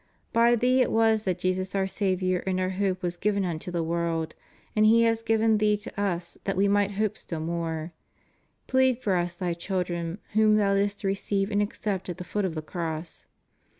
By thee it was that Jesus our Saviour and our hope was given unto the world ; and He has given thee to us that we might hope still more. Plead for us thy children, whom thou didst receive and accept at the foot of the cross.